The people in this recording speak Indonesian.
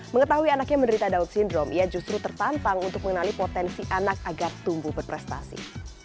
mengetahui anaknya menderita down syndrome ia justru tertantang untuk mengenali potensi anak agar tumbuh berprestasi